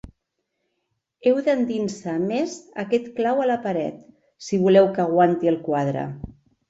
Heu d'endinsar més aquest clau a la paret, si voleu que aguanti el quadre.